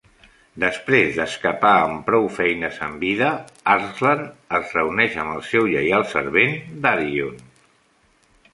Després d'escapar amb prou feines amb vida, Arslan es reuneix amb el seu lleial servent, Daryun.